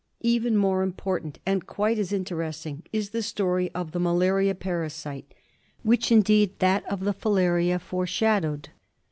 Even more important, and quite as interesting, is the story of the malaria parasite, which, indeed, that of the filaria foreshadowed.